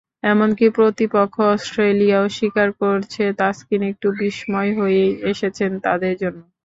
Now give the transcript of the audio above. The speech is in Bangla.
এমনকি প্রতিপক্ষ অস্ট্রেলিয়াও স্বীকার করছে, তাসকিন একটু বিস্ময় হয়েই এসেছেন তাদের জন্য।